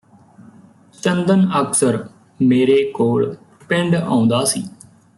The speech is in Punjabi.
ਚੰਦਨ ਅਕਸਰ ਮੇਰੇ ਕੋਲ ਪਿੰਡ ਆਉਂਦਾ ਸੀ